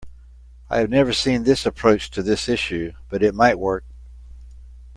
I have never seen this approach to this issue, but it might work.